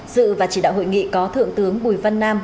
dự và chỉ đạo hội nghị có thượng tướng bùi văn nam